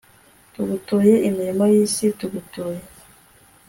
tugutuye imirimo y'isi, tugutuye